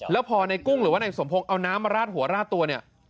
แล้วพอในกุ้งหรือว่านายสมพงศ์เอาน้ำมาราดหัวราดตัวเนี่ย